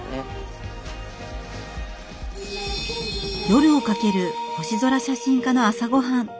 夜をかける星空写真家の朝ごはん